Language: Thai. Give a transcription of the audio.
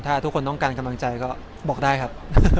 ถ้าทุกคนต้องการกำลังใจก็บอกได้ครับ